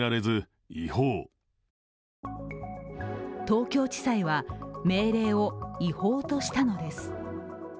東京地裁は、命令を違法としたのです。